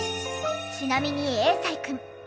ちなみに永才くん